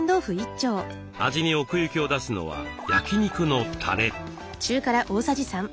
味に奥行きを出すのは焼き肉のたれ。